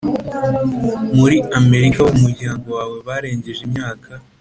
Muri amerika abo mu muryango wawe barengeje imyaka